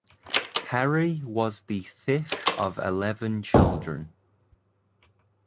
Harry was the fifth of eleven children.